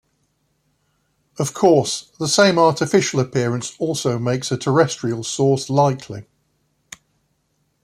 Of course, the same artificial appearance also makes a terrestrial source likely.